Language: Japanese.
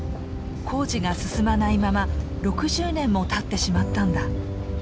工事が進まないまま６０年もたってしまったんだ。